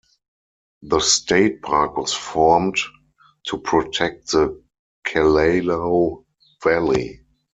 The state park was formed to protect the Kalalau Valley.